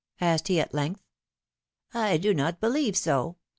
^' asked he at length. do not believe so.